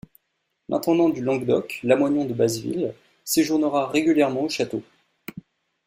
L'intendant du Languedoc, Lamoignon de Basville, séjournera régulièrement au château.